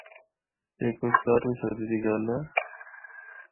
اے کوئی ستارویں صدی دی گل اے۔